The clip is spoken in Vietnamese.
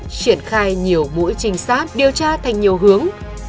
triển khai nhiều mũi trinh sát điều tra thành nhiều hướng